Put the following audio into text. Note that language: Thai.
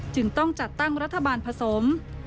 จึงต้องจัดตั้งรัฐบาลผสม